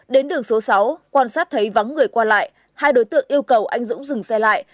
đến đường số sáu quan sát thấy vắng người qua lại hai đối tượng yêu cầu anh dũng dừng xe lại